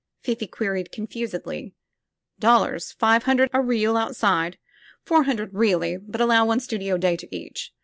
Fifi queried confusedly. "Dollars. Five hundred a reel, outside. Four hun dred, really, but allow one studio day to each.